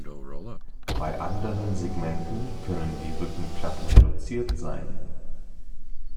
Bei anderen Segmenten können die Rückenplatten reduziert sein.